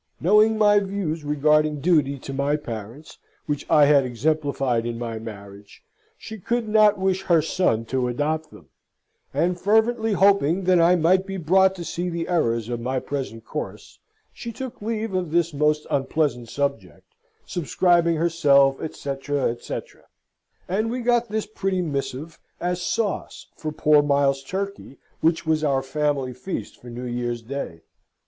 Knowing my views regarding duty to my parents (which I had exemplified in my marriage), she could not wish her son to adopt them. And fervently hoping that I might be brought to see the errors of my present course, she took leave of this most unpleasant subject, subscribing herself, etc. etc. And we got this pretty missive as sauce for poor Miles's turkey, which was our family feast for New Year's Day.